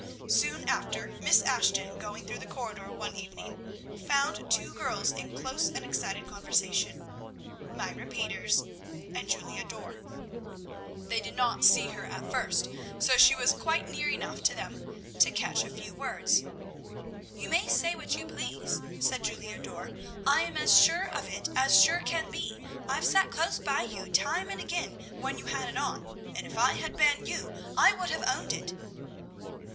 Soon after, Miss Ashton, going through the corridor one evening, found two girls in close and excited conversation, Myra Peters and Julia Dorr. They did not see her at first, so she was quite near enough to them to catch a few words. "You may say what you please," said Julia Dorr. "I'm as sure of it as sure can be; I've sat close by you time and again when you had it on, and if I had been you I would have owned it."